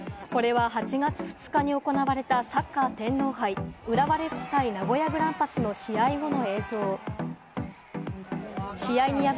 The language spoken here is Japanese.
これは８月２日に行われたサッカー天皇杯、浦和レッズ対名古屋グランパスの試合後の映像。